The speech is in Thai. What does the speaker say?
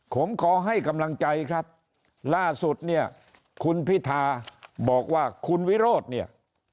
ผมขอให้กำลังใจครับล่าสุดเนี่ยคุณพิธาบอกว่าคุณวิโรธเนี่ย